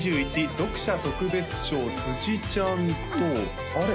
読者特別賞辻ちゃんとあれ？